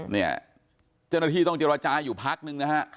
เนี่ยเจ้าหน้าที่ต้องเจรจาอยู่พักนึงนะฮะ